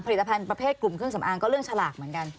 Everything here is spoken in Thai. ผลิตภัณฑ์ประเภทกลุ่มเครื่องสำอางก็เรื่องฉลากเหมือนกัน